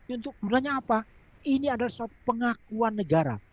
untuk menanya apa ini adalah suatu pengakuan negara